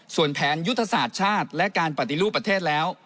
ส่วนแผนยุทธศาสตร์ชาติและการปฏิรูปประเทศแล้ว